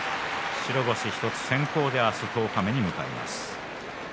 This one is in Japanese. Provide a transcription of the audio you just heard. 白星１つ先行で明日の十日目に向かいます。